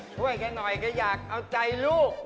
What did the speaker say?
ช่วยแกหน่อยแกอยากเอาใจลูก